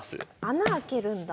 穴開けるんだ。